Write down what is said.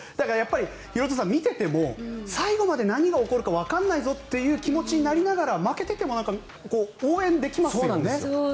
廣津留さん、見てても最後まで何が起こるかわからないぞという気持ちになりながら負けていても応援できますよね。